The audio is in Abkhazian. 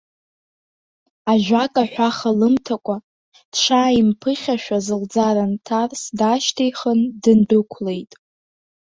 Ажәак аҳәаха лымҭакәа, дшааимԥыхьашәаз, лӡара нҭарс, даашьҭихын, дындәықәлеит.